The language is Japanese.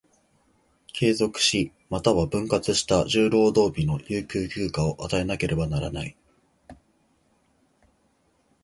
継続し、又は分割した十労働日の有給休暇を与えなければならない。